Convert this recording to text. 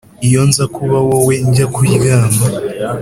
'iyo nza kuba wowe, njya kuryama.'